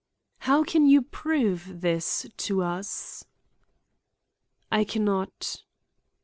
"How can you prove this to us?" "I can not."